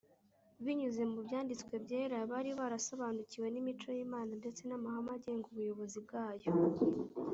Binyuze mu Byanditswe Byera, bari barasobanukiwe n’imico y’Imana ndetse n’amahame agenga ubuyobozi bwayo